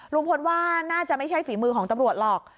ลุงพลว่าน่าจะไม่ใช่ฝีมือของตำรวจหรอก